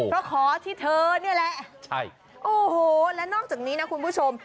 เพราะขอที่เธอนี่แหละใช่โอ้โหและนอกจากนี้นะคุณผู้ชม